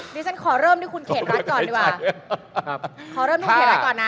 เดี๋ยวฉันขอเริ่มลูกคุณเขตรัศน์